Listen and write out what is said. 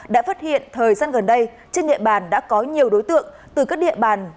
đã phát hiện thời gian gần đây trên địa bàn đã có nhiều đối tượng từ các địa bàn